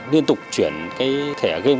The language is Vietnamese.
điên tục chuyển cái thẻ game